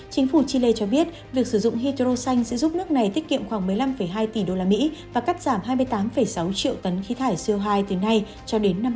chính phủ chile cho biết việc sử dụng hydro xanh sẽ giúp nước này tiết kiệm khoảng một mươi năm hai tỷ usd và cắt giảm hai mươi tám sáu triệu tấn khí thải co hai từ nay cho đến năm hai nghìn ba mươi